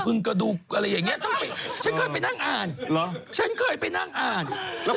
ที่บอกรักอะไรอย่างนี้คือไม่ต้องไม่เขียนหรอก